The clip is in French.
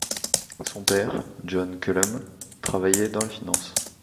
Son père, John Cullum, travaillait dans la finance.